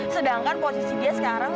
sedangkan posisi dia sekarang